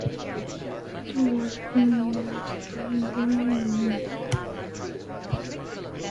Wrathall was born in Lancaster, England and went to Lancaster Royal Grammar School.